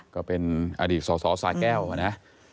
ก็เป็นอดีตสสสาแก้วนะ